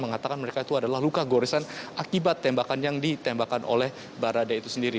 mengatakan mereka itu adalah luka goresan akibat tembakan yang ditembakkan oleh barada itu sendiri